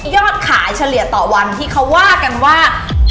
ยอดขายเฉลี่ยต่อวันที่เขาว่ากันว่า